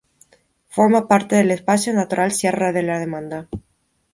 Forma parte del Espacio Natural Sierra de la Demanda.